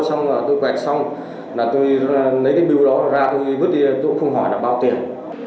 xong rồi tôi gạch xong là tôi lấy cái biêu đó ra tôi vứt đi tôi cũng không hỏi là bao tiền